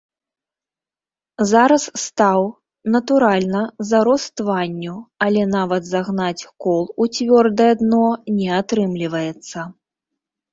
Зараз стаў, натуральна, зарос тванню, але нават загнаць кол у цвёрдае дно не атрымліваецца.